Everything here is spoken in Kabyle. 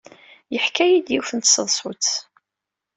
Yeḥka-d yiwet n tseḍsut.